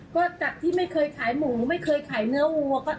ก็จากที่ไม่เคยขายหมูไม่เคยขายเนื้อวัวก็เอามาขายค่ะ